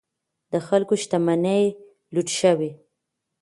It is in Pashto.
د خلکو شتمنۍ لوټ شوې.